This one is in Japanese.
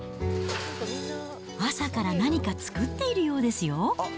朝から何か作っているようですよ。